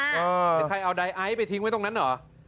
แล้วใครเอาดายไอ้ไปทิ้งไว้ตรงนั้นหรือ